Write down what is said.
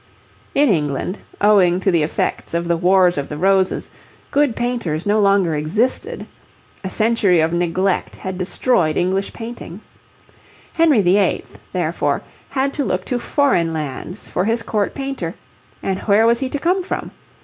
In England, owing to the effects of the Wars of the Roses, good painters no longer existed. A century of neglect had destroyed English painting. Henry VIII., therefore, had to look to foreign lands for his court painter, and where was he to come from?